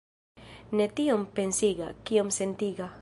Ne tiom pensiga, kiom sentiga.